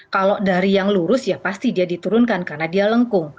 kalau dari yang lurus ya pasti dia diturunkan karena dia lengkung